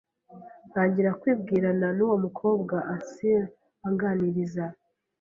Ntangira kwibwirana n’uwo mukobwa Ansir anganiriza